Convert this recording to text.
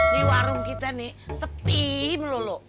ini warung kita nih sepi melulu